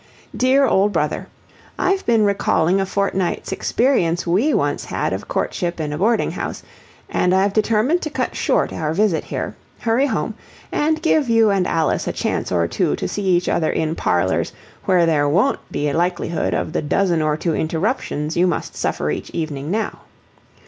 "DEAR OLD BROTHER, I've been recalling a fortnight's experience WE once had of courtship in a boarding house, and I've determined to cut short our visit here, hurry home, and give you and Alice a chance or two to see each other in parlors where there won't be a likelihood of the dozen or two interruptions you must suffer each evening now.